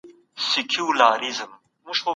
د نفوسو او عاید ترمنځ اړیکه باید وسنجول سي.